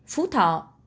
sáu phú thọ